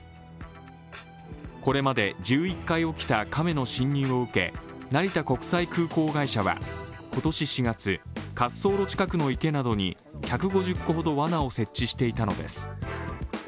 これまで１１回起きた亀の侵入を受け、成田国際空港会社は今年４月、滑走路近くの池などに１５０個ほどわなを設置していたのです。